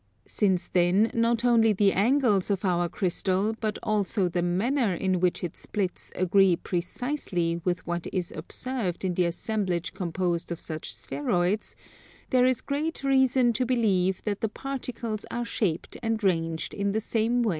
Since then not only the angles of our crystal but also the manner in which it splits agree precisely with what is observed in the assemblage composed of such spheroids, there is great reason to believe that the particles are shaped and ranged in the same way.